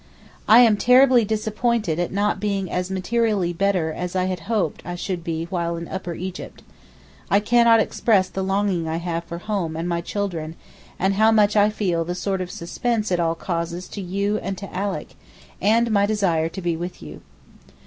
I am terribly disappointed at not being as materially better as I had hoped I should be while in Upper Egypt. I cannot express the longing I have for home and my children, and how much I feel the sort of suspense it all causes to you and to Alick, and my desire to be with you.